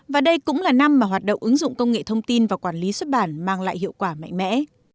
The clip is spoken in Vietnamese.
và đây cũng là năm mà hoạt động ứng dụng công nghệ thông tin và quản lý xuất bản mang lại hiệu quả mạnh mẽ